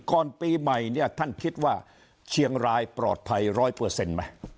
ก่อนปีใหม่เนี่ยท่านคิดว่าเชียงรายปลอดภัย๑๐๐ไหม